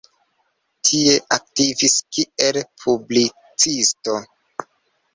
Tie aktivis kiel publicisto.